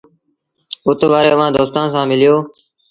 اُتوري اُئآݩ دوستآݩ سآݩ مليو۔